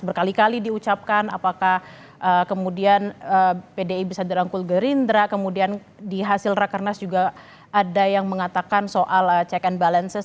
berkali kali diucapkan apakah kemudian pdi bisa dirangkul gerindra kemudian di hasil rakernas juga ada yang mengatakan soal check and balances